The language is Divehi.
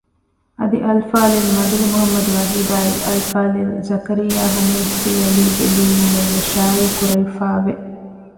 އަދި އަލްފާޟިލް މަޑުލު މުޙައްމަދު ވަޙީދާއި އަލްފާޟިލް ޒަކަރިއްޔާ ހަމީދު ފީއަލީ ގެ ލިޔުއްވުމެއް ވެސް ޝާއިއުކުރެވިފައި ވެ